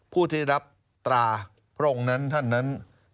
ผู้ที่รับตราพระองค์นั้นท่านนั้น